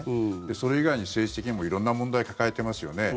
それ以外に政治的にも色んな問題を抱えてますよね。